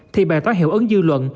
thì bài tóa hiệu ấn dư luận